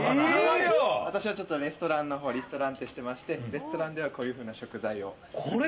私はレストランのほうしてましてレストランではこういうふうな食材を。